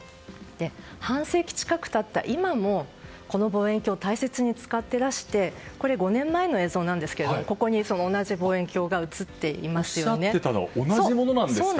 半世紀近く経った今もこの望遠鏡を大切に使っていらしてこれは５年前の映像ですが同じ望遠鏡が写っていますよね。